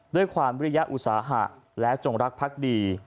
ด้วยความวิริยอุตสาหะและจงรักพักดี